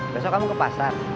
besok kamu ke pasar